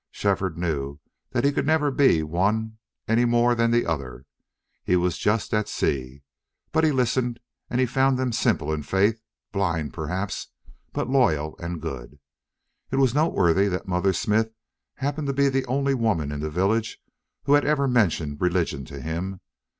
Shefford knew that he could never be one any more than the other. He was just at sea. But he listened, and he found them simple in faith, blind, perhaps, but loyal and good. It was noteworthy that Mother Smith happened to be the only woman in the village who had ever mentioned religion to him.